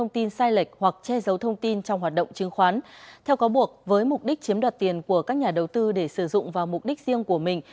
theo cáo buộc với mục đích chiếm đoạt tiền của các nhà đầu tư để sử dụng vào mục đích riêng của mình